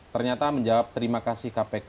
ternyata menjawab terima kasih kpk